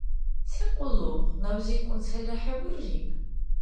Се къуллукъ? НабзикӀун селра хӀебурри?